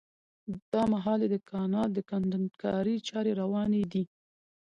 دا مهال د کانال د کندنکارۍ چاري رواني دي